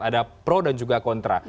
ada pro dan juga kontra